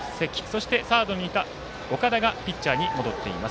そして、サードにいた岡田がピッチャーに戻っています。